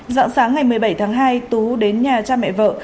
dạng sáng ngày một mươi bảy tháng hai tú đến nhà cha mẹ vợ